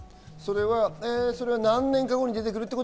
それは何年か後に出てくるこ